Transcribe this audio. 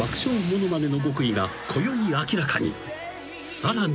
［さらに］